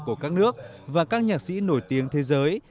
của các nước và các nhạc sĩ nổi tiếng thế giới